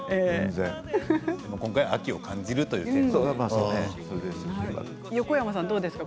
今回秋を感じるというものですね。